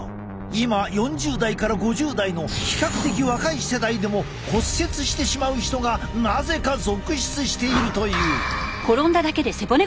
今４０代から５０代の比較的若い世代でも骨折してしまう人がなぜか続出しているという。